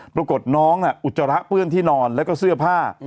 ปรากฏน้องอุจจาระเปื้อนที่นอนแล้วก็เสื้อผ้า